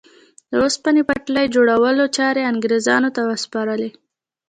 د اوسپنې پټلۍ جوړولو چارې انګرېزانو ته وسپارلې.